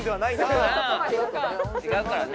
違うからね。